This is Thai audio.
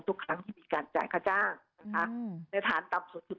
ทุกครั้งที่มีการจ่ายค่าจ้างในฐานตามส่วนถือ๑๒๕๐